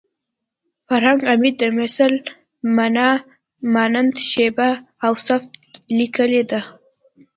فرهنګ عمید د مثل مانا مانند شبیه او صفت لیکلې ده